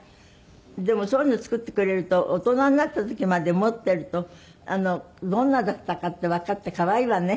でもそういうのを作ってくれると大人になった時まで持っているとどんなだったかってわかって可愛いわね。